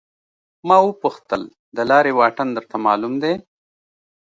ما وپوښتل د لارې واټن درته معلوم دی.